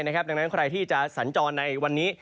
ดังนั้นใครที่จะสัญจรในวันนี้